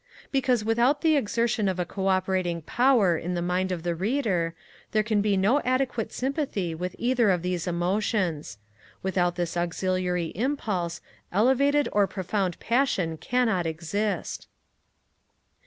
Because without the exertion of a co operating power in the mind of the reader, there can be no adequate sympathy with either of these emotions: without this auxiliary impulse, elevated or profound passion cannot exist.